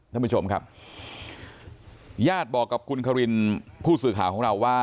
ท่านผู้ชมครับญาติบอกกับคุณครินผู้สื่อข่าวของเราว่า